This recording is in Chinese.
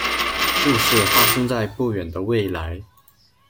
故事发生在不远的未来。